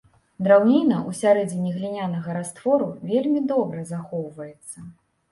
Драўніна ўсярэдзіне глінянага раствору вельмі добра захоўваецца.